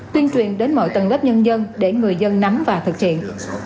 tuyên truyền đến mọi tầng lớp nhân dân để người dân nắm và thực hiện